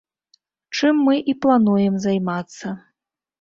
Чым мы і плануем займацца.